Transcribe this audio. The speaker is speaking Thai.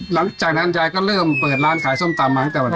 หลังจากนั้นยายก็เริ่มเปิดร้านขายส้มตำมาตั้งแต่วันนั้น